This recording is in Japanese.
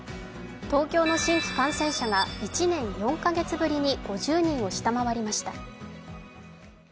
東京の新規感染者が１年４カ月ぶりに５０人を下回りました。